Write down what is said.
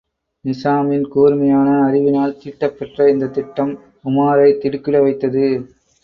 நிசாமின் கூர்மையான அறிவினால் தீட்டப்பெற்ற இந்தத் திட்டம் உமாரைத் திடுக்கிட வைத்தது.